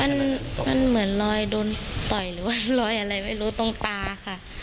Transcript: มันมันเหมือนรอยโดนต่อยหรือว่ารอยอะไรไม่รู้ตรงตาค่ะ